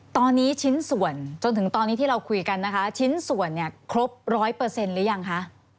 ตอนนี้ชิ้นส่วนจนถึงตอนนี้ที่เราคุยกันนะคะชิ้นส่วนเนี่ยครบร้อยเปอร์เซ็นต์หรือยังคะ